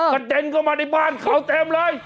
เด็นเข้ามาในบ้านเขาเต็มเลย